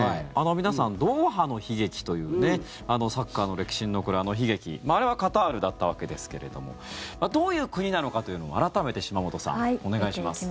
皆さん、ドーハの悲劇というサッカーの歴史に残るあの悲劇あれはカタールだったわけですけれどもどういう国なのかというのを改めて島本さん、お願いします。